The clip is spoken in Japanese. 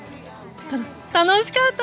楽しかった。